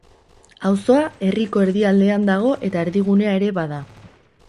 Auzoa herriko erdialdean dago eta erdigunea ere bada.